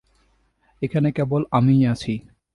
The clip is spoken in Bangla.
এখানে কেবল আমিই আছি।